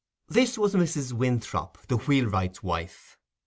This was Mrs. Winthrop, the wheelwright's wife.